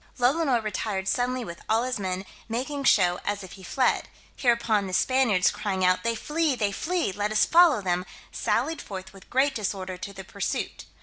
Lolonois retired suddenly with all his men, making show as if he fled; hereupon the Spaniards crying out "They flee, they flee, let us follow them," sallied forth with great disorder to the pursuit.